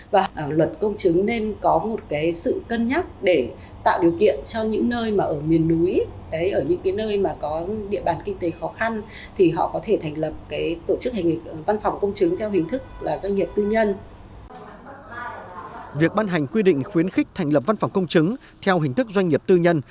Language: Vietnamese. việc ban hành quy định khuyến khích thành lập văn phòng công chứng theo hình thức doanh nghiệp tư nhân